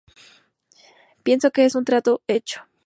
Pienso que es un trato hecho.